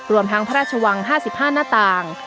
รวมทั้งพระราชวัง๕๕หน้าต่าง